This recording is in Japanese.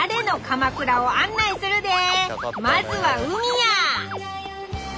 まずは海や！